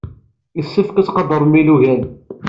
Yessefk ad tettqadarem ilugan.